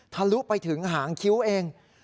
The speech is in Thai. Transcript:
ทะลุไปถึงหางคิ้วเอง